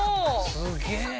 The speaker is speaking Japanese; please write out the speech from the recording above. すげえな。